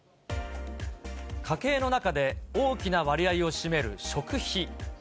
家計の中で大きな割合を占める食費。